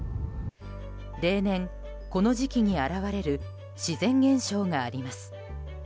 例年この時期に現れる自然現象があります。